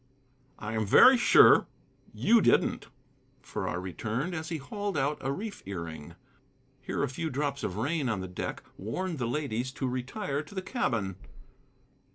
"I am very sure you didn't," Farrar returned, as he hauled out a reef earing. Here a few drops of rain on the deck warned the ladies to retire to the cabin.